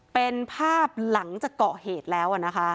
เป็นภาพหลังจากเกาะเหตุแล้วนะคะ